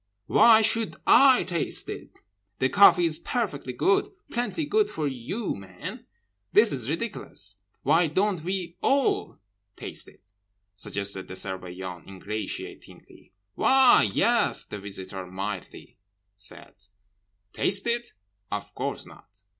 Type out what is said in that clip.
Why should I taste it? The coffee is perfectly good, plenty good for you men. This is ridiculous—'—'Why don't we all taste it?' suggested the Surveillant ingratiatingly.—'Why, yes,' said the Visitor mildly.—'Taste it? Of course not.